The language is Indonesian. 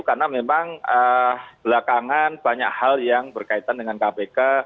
karena memang belakangan banyak hal yang berkaitan dengan kpk